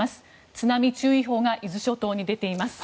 津波注意報が伊豆諸島に出ています。